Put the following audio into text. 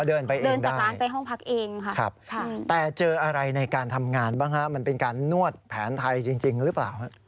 เดินไปเองเดินไปห้องพักเองค่ะแต่เจออะไรในการทำงานบ้างฮะมันเป็นการนวดแผนไทยจริงหรือเปล่า